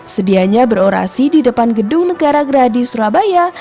sedianya berorasi di depan gedung negara gradi surabaya